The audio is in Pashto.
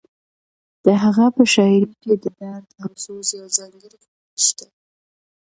د هغه په شاعرۍ کې د درد او سوز یو ځانګړی خوند شته.